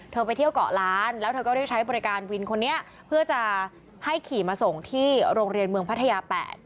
ไปเที่ยวเกาะล้านแล้วเธอก็ได้ใช้บริการวินคนนี้เพื่อจะให้ขี่มาส่งที่โรงเรียนเมืองพัทยา๘